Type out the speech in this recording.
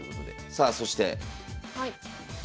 さあそしてドン。